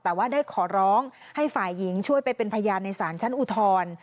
แต่ว่าได้ขอร้องให้ฝ่ายหญิงช่วยไปเป็นพยานในศาลชั้นอุทธร